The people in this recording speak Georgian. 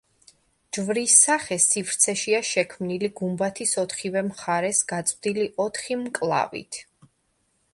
ჯვრის სახე სივრცეშია შექმნილი გუმბათის ოთხივე მხარეს გაწვდილი ოთხი მკლავით.